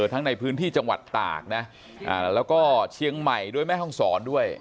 ทั้งในพื้นที่จังหวัดตากนะแล้วก็เชียงใหม่ด้วยแม่ห้องศรด้วย